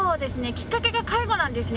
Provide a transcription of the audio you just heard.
きっかけが介護なんですね。